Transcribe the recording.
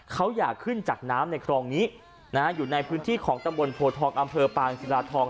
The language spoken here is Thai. เขาอยากขึ้นจากน้ำในคลองนี้นะฮะอยู่ในพื้นที่ของตำบลโพทองอำเภอปางศิลาทอง